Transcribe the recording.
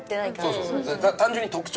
そうそう。